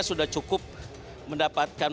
sudah cukup mendapatkan